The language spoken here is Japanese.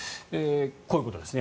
こういうことですね